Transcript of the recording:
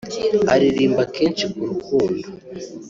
aririmba kenshi k’urukundo